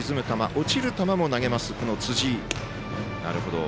落ちる球も投げます、辻井。